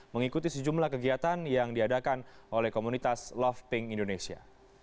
mengikuti sejumlah kegiatan yang diadakan oleh komunitas love pink indonesia